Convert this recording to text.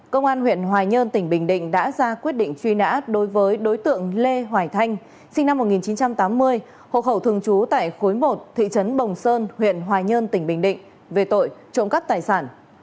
công an huyện hoài nhơn tỉnh bình định đã ra quyết định truy nã đối với đối tượng lê hoài thanh sinh năm một nghìn chín trăm tám mươi hộ khẩu thường trú tại khối một thị trấn bồng sơn huyện hoài nhơn tỉnh bình định về tội trộm cắt tài sản